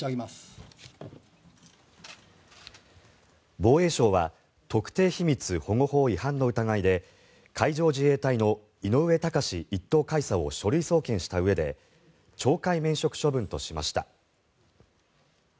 防衛省は特定秘密保護法違反の疑いで海上自衛隊の井上高志１等海佐を書類送検したうえで懲戒免職処分としました。